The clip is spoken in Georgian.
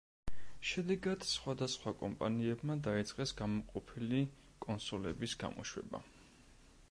შედეგად სხვადასხვა კომპანიებმა დაიწყეს გამოყოფილი კონსოლების გამოშვება.